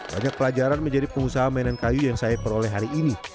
banyak pelajaran menjadi pengusaha mainan kayu yang saya peroleh hari ini